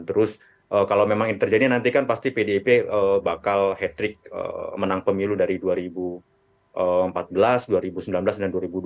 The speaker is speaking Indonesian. terus kalau memang ini terjadi nanti kan pasti pdip bakal hat trick menang pemilu dari dua ribu empat belas dua ribu sembilan belas dan dua ribu dua puluh